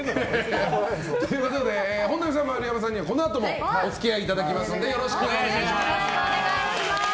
ということで本並さん、丸山さんにはこのあともお付き合いいただきますのでよろしくお願いします！